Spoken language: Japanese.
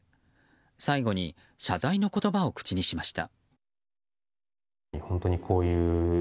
最後に謝罪の言葉を口にしました。